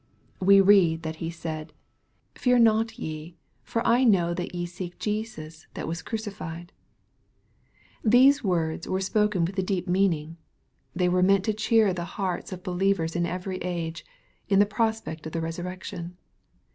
We read that he said, " Fear not ye : for I know that ye seek Jesus, that was crucified/' These words were spoken with a deep meaning. They were meant to cheer the hearts of believers in every age, :n the prospect of the resurrection.